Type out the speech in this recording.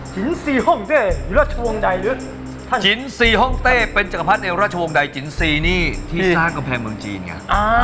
ซีฮ่องเต้ราชวงศ์ใดลึกจินซีฮ่องเต้เป็นจักรพรรดิวราชวงศ์ใดจินซีนี่ที่สร้างกำแพงเมืองจีนไง